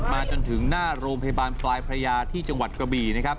มาจนถึงหน้ารมพยาบาลฟรายพระยาที่จังหวัดกระบี่